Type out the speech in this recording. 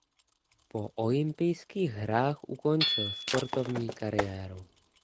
Po olympijských hrách ukončil sportovní kariéru.